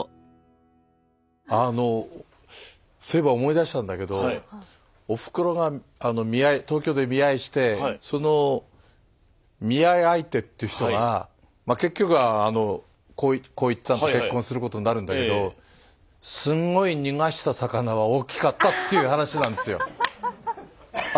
あのそういえば思い出したんだけどおふくろがあの東京で見合いしてその見合い相手っていう人がまあ結局はあの幸一さんと結婚することになるんだけどすんごい逃した魚は大きかったっていう話なんですよ。